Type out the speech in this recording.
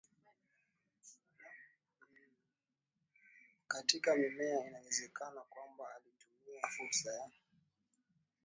katika mimea inawezekana kwamba walitumia fursa ya